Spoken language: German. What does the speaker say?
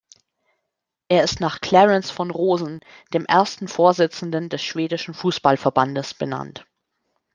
Er ist nach Clarence von Rosen, dem ersten Vorsitzenden des schwedischen Fußballverbandes benannt.